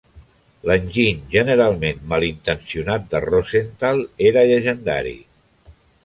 L'enginy generalment malintencionat de Rosenthal era llegendari.